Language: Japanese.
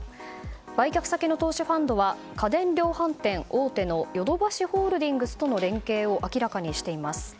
売却先の投資ファンドは家電量販店大手のヨドバシホールディングスとの連携を明らかにしています。